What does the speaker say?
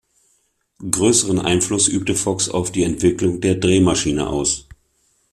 Größeren Einfluss übte Fox auf die Entwicklung der Drehmaschine aus.